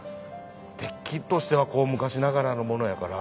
鉄器としては昔ながらのものやから。